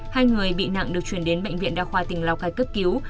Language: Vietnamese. hai người bị nặng được chuyển đến bệnh viện đa khoa tỉnh lào cai cấp cứu